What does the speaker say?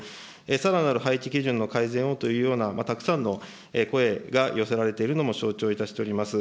さらなる配置基準の改善をというような、たくさんの声が寄せられているのも承知をいたしております。